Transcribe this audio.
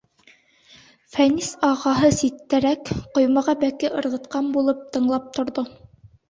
Фәнис ағаһы ситтәрәк, ҡоймаға бәке ырғытҡан булып, тыңлап торҙо.